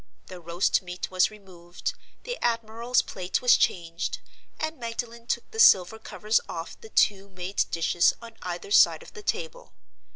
The roast meat was removed, the admiral's plate was changed, and Magdalen took the silver covers off the two made dishes on either side of the table.